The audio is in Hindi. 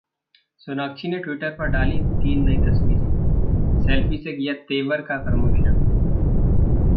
सोनाक्षी ने ट्विटर पर डाली तीन नई तस्वीरें, Selfie से किया 'तेवर' का प्रमोशन